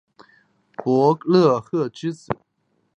傅勒赫之子。